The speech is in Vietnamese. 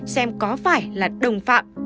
xem có phải là đồng phạm